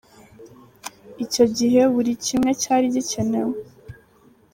Icyo gihe buri kimwe cyari gikenewe.